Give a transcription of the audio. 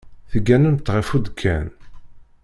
Tegganemt ɣef udekkan.